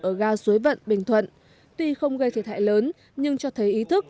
ở ga suối vận bình thuận tuy không gây thiệt hại lớn nhưng cho thấy ý thức